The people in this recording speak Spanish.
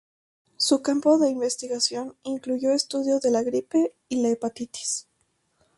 Su campo de investigación incluyó el estudio de la gripe, la hepatitis.